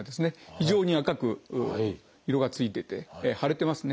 非常に赤く色がついてて腫れてますね。